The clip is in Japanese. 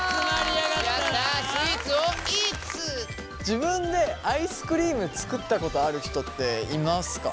自分でアイスクリーム作ったことある人っていますか？